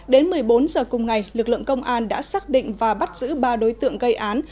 đến một mươi bốn giờ cùng ngày lực lượng công an đã xác định và bắt giữ ba đối tượng gây án